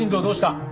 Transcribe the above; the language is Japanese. どうした？